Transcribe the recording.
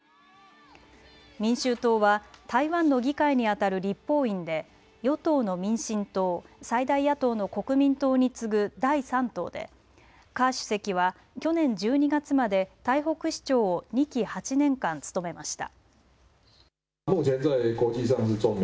民衆党は台湾の議会にあたる立法院で与党の民進党、最大野党の国民党に次ぐ第３党で柯主席は去年１２月まで台北市長を２期８年間務めました。